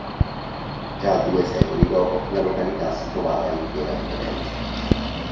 Già due secoli dopo la località si trovava in piena decadenza.